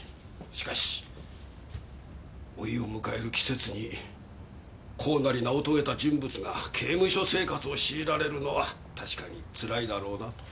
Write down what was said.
しかし老いを迎える季節に功成り名を遂げた人物が刑務所生活を強いられるのは確かにつらいだろうなと。